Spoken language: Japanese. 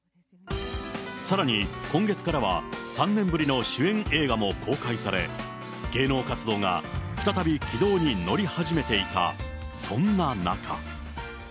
さらに今月からは、３年ぶりの主演映画も公開され、芸能活動が再び軌道に乗り始めていた、そんな中。